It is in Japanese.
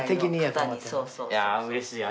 いやうれしい。